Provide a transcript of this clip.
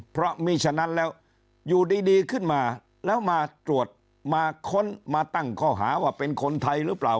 เพราะมีฉะนั้นแล้วอยู่ดีขึ้นมาแล้วมาตรวจมาค้นมาตั้งข้อหาว่าเป็นคนไทยหรือเปล่า